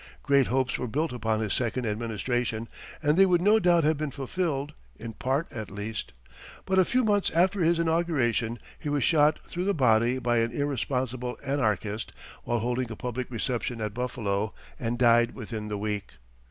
Great hopes were built upon his second administration, and they would no doubt have been fulfilled, in part at least; but a few months after his inauguration, he was shot through the body by an irresponsible anarchist while holding a public reception at Buffalo, and died within the week.